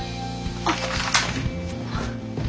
あっ。